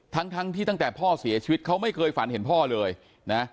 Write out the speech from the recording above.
ทั้งทั้งที่ตั้งแต่พ่อเสียชีวิตเขาไม่เคยฝันเห็นพ่อเลยนะ